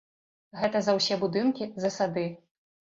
Гэта за ўсе будынкі, за сады.